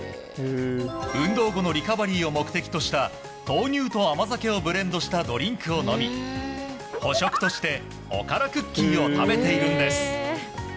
運動後のリカバリーを目的とした豆乳と甘酒をブレンドしたドリンクを飲み補食としておからクッキーを食べているんです。